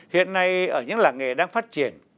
hiện nay ở những làng nghề đang phát triển